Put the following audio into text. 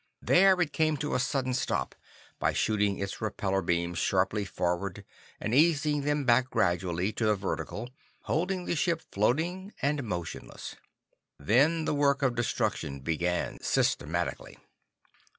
There it came to a sudden stop by shooting its repellor beams sharply forward and easing them back gradually to the vertical, holding the ship floating and motionless. Then the work of destruction began systematically.